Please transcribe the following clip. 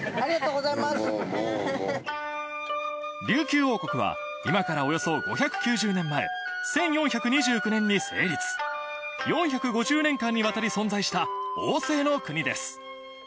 琉球王国は今からおよそ５９０年前１４２９年に成立４５０年間にわたり存在した王政の国です